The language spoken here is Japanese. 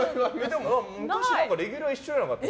昔、レギュラー一緒じゃなかった？